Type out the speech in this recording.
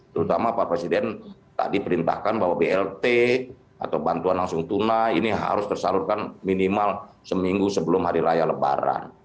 terutama pak presiden tadi perintahkan bahwa blt atau bantuan langsung tunai ini harus tersalurkan minimal seminggu sebelum hari raya lebaran